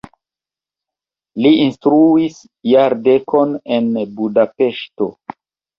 Li instruis jardekon en Budapeŝto.